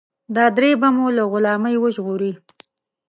دا درې به مو له غلامۍ وژغوري.